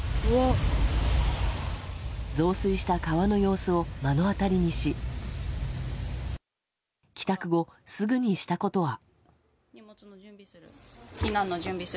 増水した川の様子を目の当たりにし帰宅後、すぐにしたことは。